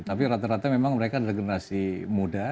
tapi rata rata memang mereka adalah generasi muda